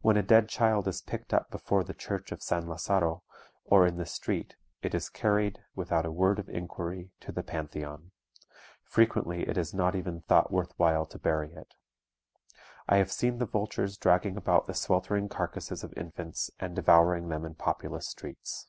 When a dead child is picked up before the church of San Lazaro, or in the street, it is carried, without a word of inquiry, to the Pantheon; frequently it is not even thought worth while to bury it. I have seen the vultures dragging about the sweltering carcasses of infants, and devouring them in populous streets.